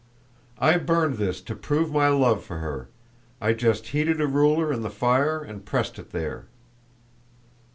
"I burned this to prove my love for her. I just heated a ruler in the fire and pressed it there!"